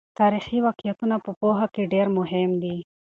تاریخي واقعیتونه په پوهه کې ډېر مهم دي.